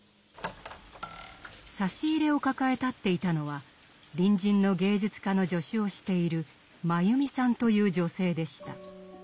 差し入れを抱え立っていたのは隣人の芸術家の助手をしているマユミさんという女性でした。